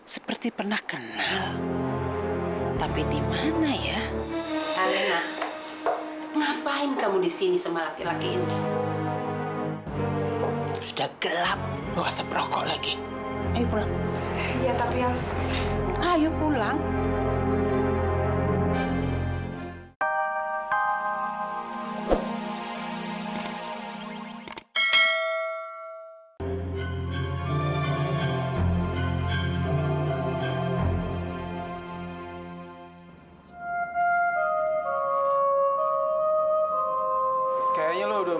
sampai jumpa di video selanjutnya